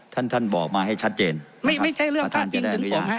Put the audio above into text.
ท่านท่านบอกมาให้ชัดเจนไม่ไม่ใช่เรื่องพลาดพิงถึงผมฮะ